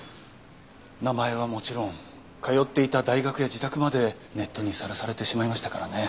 名前はもちろん通っていた大学や自宅までネットにさらされてしまいましたからね。